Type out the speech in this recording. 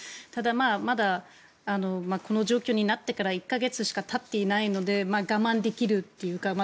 ただ、まだこの状況になってから１か月しか経っていないので我慢できるというか。